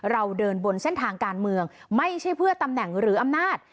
เราเดินบนเส้นทางการเมืองไม่ใช่เพื่อตำแหน่งหรืออำนาจ